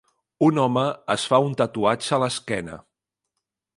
Un home es fa un tatuatge a l'esquena.